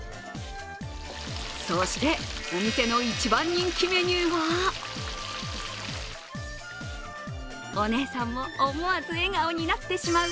そして、お店の一番人気メニューはお姉さんも思わず笑顔になってしまう